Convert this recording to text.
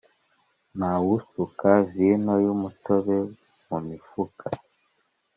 nta wusuka vino y’ umutobe mu mifuka.